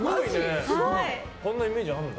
こんなイメージあるんだ。